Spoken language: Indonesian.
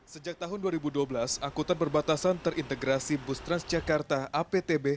sejak tahun dua ribu dua belas angkutan perbatasan terintegrasi bus transjakarta aptb